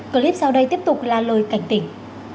clip sau đây tiếp tục là lời cảnh tỉnh